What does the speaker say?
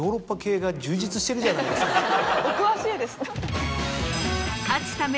お詳しいですね。